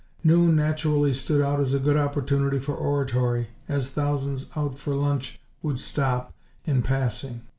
Noon naturally stood out as a good opportunity for oratory, as thousands, out for lunch, would stop, in passing.